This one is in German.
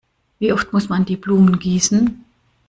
Wie oft muss man die Blumen gießen?